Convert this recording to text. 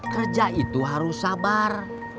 kerja itu harus sabar